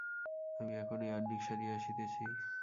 আমি এখনই আহ্নিক সারিয়া আসিতেছি।